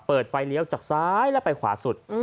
เปิดไฟเลี้ยวจากซ้ายและไปขวาสุด